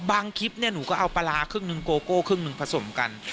คลิปเนี่ยหนูก็เอาปลาร้าครึ่งหนึ่งโกโก้ครึ่งหนึ่งผสมกัน